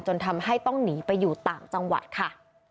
จนทำให้ต้องหนีไปอยู่ต่างจังหวัดค่ะ